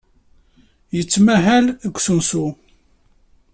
Yettmahal deg usensu-a.